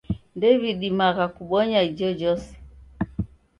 Ndew'idimagha kubonya ijojose.